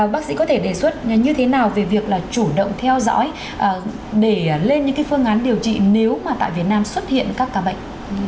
bác sĩ có thể đề xuất như thế nào về việc là chủ động theo dõi để lên những phương án điều trị nếu mà tại việt nam xuất hiện các ca bệnh